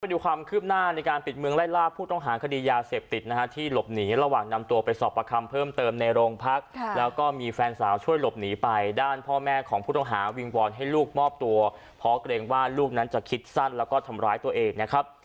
ดูความคืบหน้าในการปิดเมืองไล่ล่าผู้ต้องหาคดียาเสพติดนะฮะที่หลบหนีระหว่างนำตัวไปสอบประคำเพิ่มเติมในโรงพักแล้วก็มีแฟนสาวช่วยหลบหนีไปด้านพ่อแม่ของผู้ต้องหาวิงวอนให้ลูกมอบตัวเพราะเกรงว่าลูกนั้นจะคิดสั้นแล้วก็ทำร้ายตัวเองนะครับ